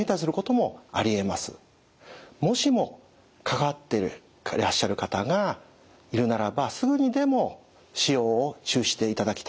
もしも関わってらっしゃる方がいるならばすぐにでも使用を中止していただきたいと思います。